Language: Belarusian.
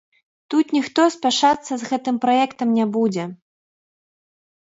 Тут ніхто спяшацца з гэтым праектам не будзе.